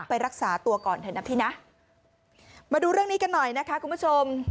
ไปรักษาตัวก่อนเถอะนะพี่นะมาดูเรื่องนี้กันหน่อยนะคะคุณผู้ชม